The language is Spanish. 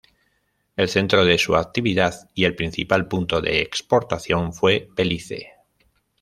El centro de su actividad y el principal punto de exportación fue Belice.